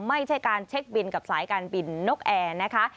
ไม่ใช่การเช็คบินกับสายการบินนกแอร์นะคะ